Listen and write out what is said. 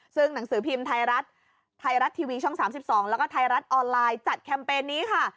ซึ่งหนังสือพิมพ์ไทยรัฐไทยรัฐทีวีช่อง๓๒แล้วก็ไทยรัฐออนไลน์จัดแคมเปญนี้ค่ะ